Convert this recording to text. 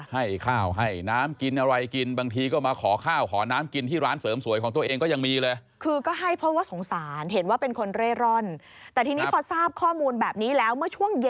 ให้ข้าวให้น้ำกินอะไรกินบางทีก็มาขอข้าวขอน้ำกินที่ร้านเสริมสวยของตัวเองก็ยังมีเลย